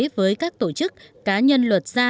với các tổ chức cá nhân luật gia